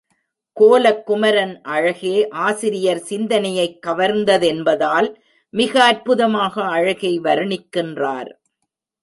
கோலக்குமரன் அழகே ஆசிரியர் சிந்தையைக் கவர்ந்த தென்பதால் மிக அற்புதமாக அழகை வருணிக்கின்றார்.